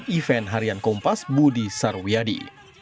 dan event harian kompas budi sarwiadi